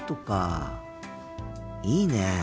いいねえ